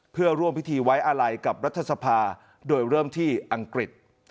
เพื่อร่วมพิธีไว้อาลัยกับรัฐสภาโดยเริ่มที่อังกฤษ